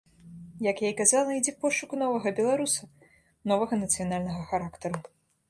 Як я і казала, ідзе пошук новага беларуса, новага нацыянальнага характару.